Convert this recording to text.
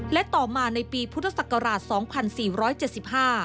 และต่อมาในปีพุทธศักราช๒๔๗๕